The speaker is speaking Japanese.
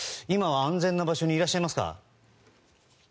今は安全な場所にいらっしゃいますか？